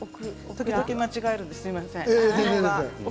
時々間違えるんですすみません。